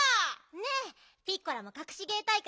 ねえピッコラもかくし芸大会出るでしょ？